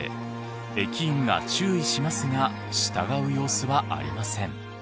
駅員が注意しますが従う様子はありません。